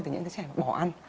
thì những cái trẻ bỏ ăn